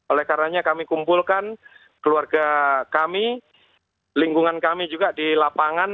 oleh karenanya kami kumpulkan keluarga kami lingkungan kami juga di lapangan